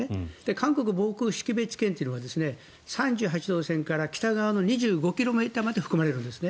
韓国防空識別圏というのは３８度線から北側の２５ｋｍ付近まで含まれるんですね。